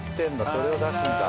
それを出すんだ。